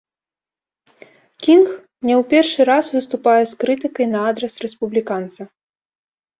Кінг не ў першы раз выступае з крытыкай на адрас рэспубліканца.